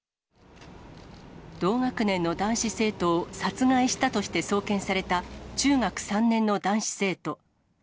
同学年の男子生徒を殺害したとして送検された、中学３年の男子生徒。